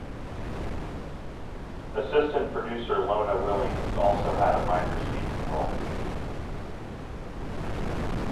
Assistant producer Lona Williams also had a minor speaking role.